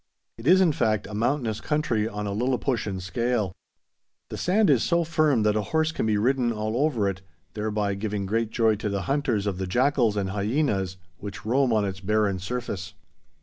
It is, in fact, a mountainous country on a lilliputian scale. The sand is so firm that a horse can be ridden all over it, thereby giving great joy to the hunters of the jackals and hyenas which roam on its barren surface.